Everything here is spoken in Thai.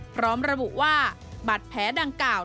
พร้อมระบุว่าบาดแผลดังกล่าว